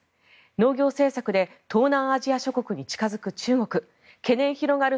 農業政策で東南アジア諸国に近づく中国懸念広がる